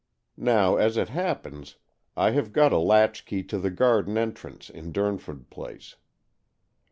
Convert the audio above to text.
Now, as it happens, I have got a latchkey to the garden entrance in Durn ford Place.